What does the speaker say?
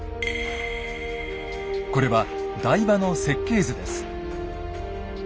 これは台場の設計図です。